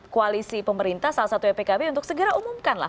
koalisi pemerintah salah satunya pkb untuk segera umumkan lah